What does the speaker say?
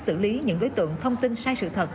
xử lý những đối tượng thông tin sai sự thật